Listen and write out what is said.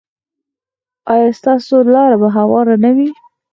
ایا ستاسو لاره به هواره نه وي؟